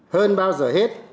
hơn bao giờ hết